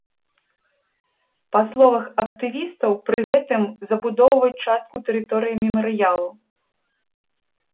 Па словах актывістаў, пры гэтым забудоўваюць частку тэрыторыі мемарыялу.